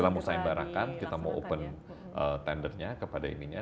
kita harus sayembaran kan kita mau open tendernya kepada ininya